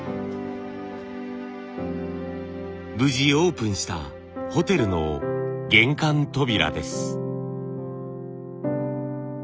無事オープンしたホテルの玄関扉です。